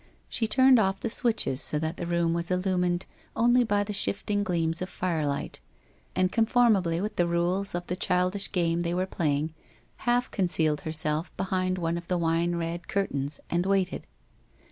She turned off the switches so that the room was illumined only by the shifting gleams of firelight, and conformably with the rules of the childish WHITE ROSE OF WEARY LEAF 367 game they were playing, half concealed herself behind one of the wine red curtains and waited.